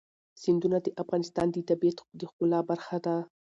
سیندونه د افغانستان د طبیعت د ښکلا برخه ده.